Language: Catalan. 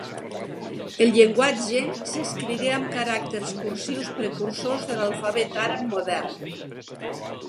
El llenguatge s'escrigué amb caràcters cursius precursors de l'alfabet àrab modern.